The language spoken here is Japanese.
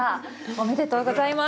ありがとうございます。